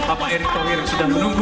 tapa erick tawir sudah menunggu